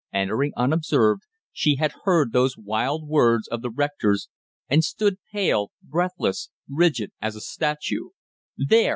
Entering unobserved she had heard those wild words of the rector's, and stood pale, breathless, rigid as a statue. "There!"